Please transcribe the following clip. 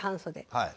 はい。